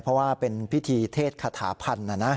เพราะว่าเป็นพิธีเทศคาถาพันธ์นะนะ